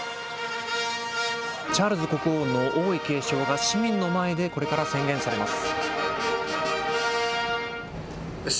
チャールズ国王の王位継承が市民の前でこれから宣言されます。